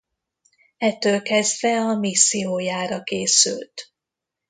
Ettől kezdve a missziójára készült.